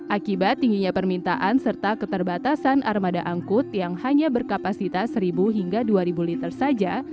akibat tingginya permintaan serta keterbatasan armada angkut yang hanya berkapasitas seribu hingga dua ribu liter saja